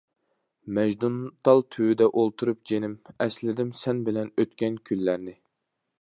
مەجنۇنتال تۈۋىدە ئولتۇرۇپ جېنىم، ئەسلىدىم سەن بىلەن ئۆتكەن كۈنلەرنى.